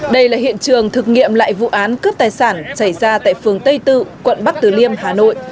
đây là hiện trường thực nghiệm lại vụ án cướp tài sản chảy ra tại phường tây tư quận bắc tử liêm hà nội